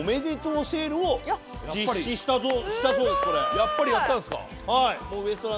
やっぱりやったんですか！